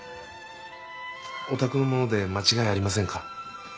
お宅のもので間違いありませんか？